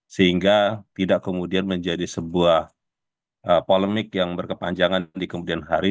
sehingga tidak kemudian menjadi sebuah polemik yang berkepanjangan di kemudian hari